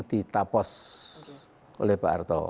ditapos oleh pak harto